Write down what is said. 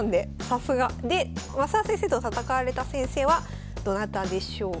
さすが。で升田先生と戦われた先生はどなたでしょう。